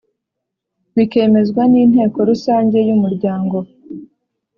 bikemezwa n inteko rusange y umuryango